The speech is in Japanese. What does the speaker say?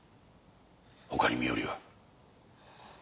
ほかに身寄りは？